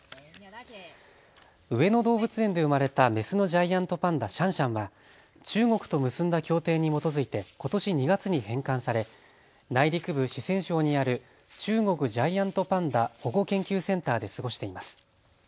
上野動物園で生まれたメスのジャイアントパンダ、シャンシャンは中国と結んだ協定に基づいてことし２月に返還され、内陸部、四川省にある中国ジャイアントパンダ保護研究センターで過ごしています。